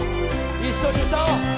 一緒に歌おう。